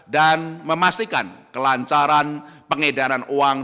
dan memastikan kelancaran pengedaran uang